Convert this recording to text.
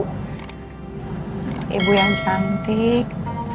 makasih ibu yang cantik